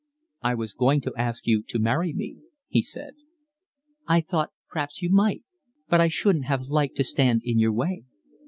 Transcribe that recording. "I was going to ask you to marry me," he said. "I thought p'raps you might, but I shouldn't have liked to stand in your way."